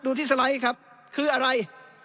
ดูที่สไลด์ครับคืออะไร